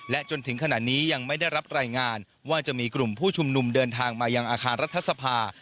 จนถึงขณะนี้ยังไม่ได้รับรายงานว่าจะมีกลุ่มผู้ชุมนุมเดินทางมายังอาคารรัฐสภา